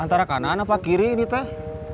antara kanan apa kiri ini teh